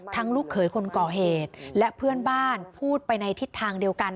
ลูกเขยคนก่อเหตุและเพื่อนบ้านพูดไปในทิศทางเดียวกัน